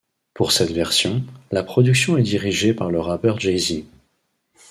Pour cette version, la production est dirigée par le rappeur Jay-Z.